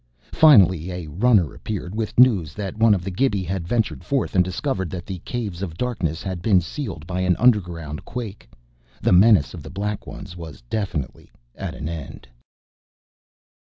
Finally a runner appeared with news that one of the Gibi had ventured forth and discovered that the Caves of Darkness had been sealed by an underground quake. The menace of the Black Ones was definitely at an end.